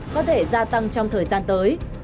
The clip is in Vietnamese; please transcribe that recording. có thể gia tăng trong thời gian tới